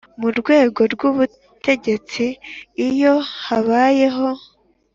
Mu rwego rw ubutegetsi iyo habayeho